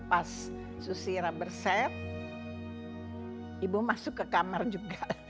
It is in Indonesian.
pas susira berset ibu masuk ke kamar juga